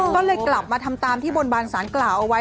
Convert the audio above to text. ก็เลยกลับมาทำตามที่บนบานสารกล่าวเอาไว้